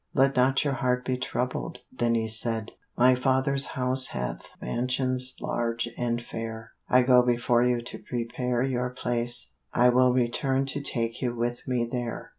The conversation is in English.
"Let not your heart be troubled," then he said; "My Father's house hath mansions large and fair; I go before you to prepare your place; I will return to take you with me there."